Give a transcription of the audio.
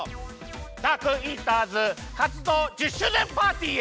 ダークイーターズかつどう１０周年パーティーへ！